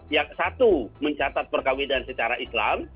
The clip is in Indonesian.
yang satu mencatat perkawinan secara islam